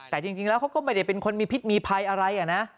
แต่จริงแล้วเขาก็ไม่ได้เป็นคนมีพิษมีภัยอะไรนะ